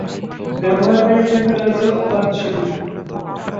ব্যবহারকারীর জন্য রয়েছে অবাধ সুবিধা।